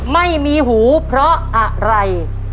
ไม่มีหูเพราะอะไร